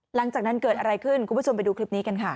หลังจากนั้นเกิดอะไรขึ้นคุณผู้ชมไปดูคลิปนี้กันค่ะ